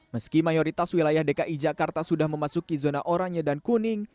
meski mayoritas wilayah dki jakarta sudah memasuki zona oranye dan kuning